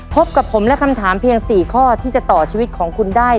พบกับผมและคำถามเพียง๔ข้อที่จะต่อชีวิตของคุณได้